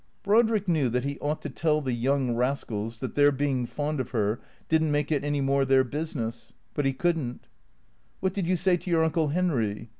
Brodrick knew that he ought to tell the young rascals that their being fond of her did n't make it any more their business. But he could n't. " What did you say to your Uncle Henry